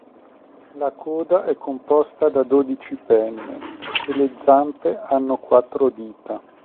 La coda è composta da dodici penne, e le zampe hanno quattro dita.